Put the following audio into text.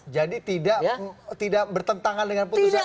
jadi tidak bertentangan dengan putusan mk